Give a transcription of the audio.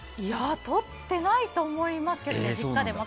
とってないと思いますけどね実家でも。